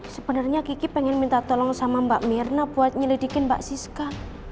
sebenarnya kiki pengen minta tolong sama mbak mirna buat nyelidikin mbak siska